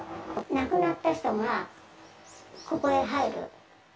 亡くなった人が、ここへ入る。